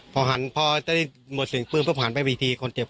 เขาบอกเลยห้างพอไว้